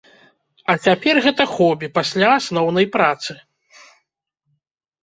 А цяпер гэта хобі пасля асноўнай працы.